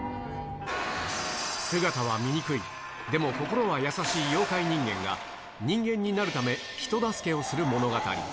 姿は醜い、でも心は優しい妖怪人間が、人間になるため、人助けをする物語。